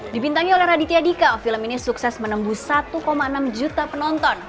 dibintangi oleh raditya dika film ini sukses menembus satu enam juta penonton